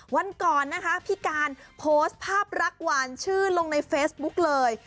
วันก่อนนะคะพี่การโพสต์ภาพรักหวานชื่อลงในเฟซบุ๊กเลย